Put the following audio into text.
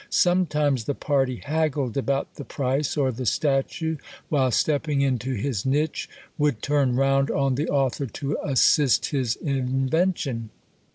Sometimes the party haggled about the price, or the statue while stepping into his niche would turn round on the author to assist his invention.